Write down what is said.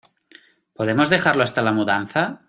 ¿ Podemos dejarlo hasta la mudanza?